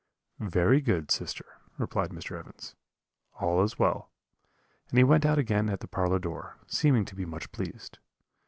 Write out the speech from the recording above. "'Very good, sister,' replied Mr. Evans, 'all is well;' and he went out again at the parlour door, seeming to be much pleased.